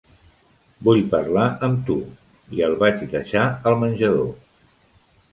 "Vull parlar amb tu", i el vaig deixar al menjador.